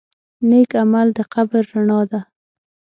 نیک عمل د قبر رڼا ده.